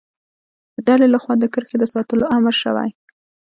د ډلې له خوا د کرښې د ساتلو امر شوی.